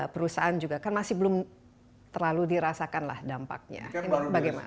perusahaan juga kan masih belum terlalu dirasakan lah dampaknya ini bagaimana